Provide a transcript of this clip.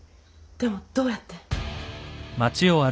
でもどうやって？